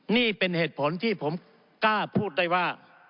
นี่เป็นเหตุผลที่ผมกล้าพูดได้ว่า